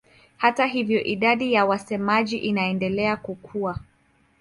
Hata hivyo idadi ya wasemaji inaendelea kukua.